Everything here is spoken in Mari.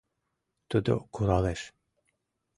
Тудо куралеш.